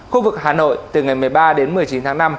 khu vực hà nội từ ngày một mươi ba đến một mươi chín tháng năm